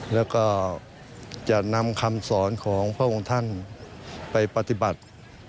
แล้วก็จะนำคำสอนของพระองค์ท่านไปปฏิบัติ